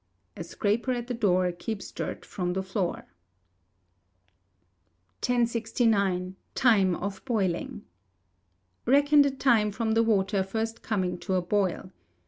[A SCRAPER AT THE DOOR KEEPS DIRT FROM THE FLOOR.] 1069. Time of Boiling. Reckon the time from the water first coming to a boil.